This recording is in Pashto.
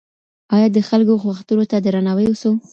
آيا د خلګو غوښتنو ته درناوی وسو؟